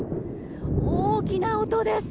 大きな音です。